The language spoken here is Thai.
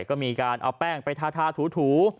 ก็มีการเอาแป้งไปทาถู